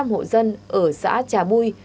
năm trăm linh hộ dân ở xã trà bui